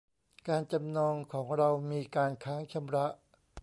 การจำนองของเรามีการค้างชำระ